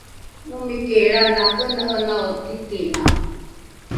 omiki lrana ’ena’enao titina